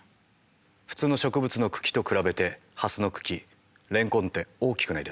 普通の植物の茎と比べてハスの茎レンコンって大きくないですか？